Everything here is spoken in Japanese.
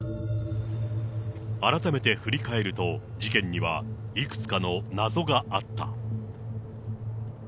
改めて振り返ると、事件にはいくつかの謎があった。